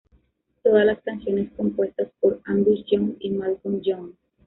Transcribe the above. Todas las canciones compuestas por Angus Young y Malcolm Young.